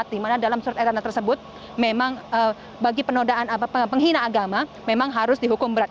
di mana dalam surat edaran tersebut memang bagi penodaan penghina agama memang harus dihukum berat